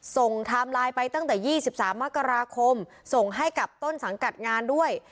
ไทม์ไลน์ไปตั้งแต่๒๓มกราคมส่งให้กับต้นสังกัดงานด้วย